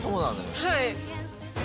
はい。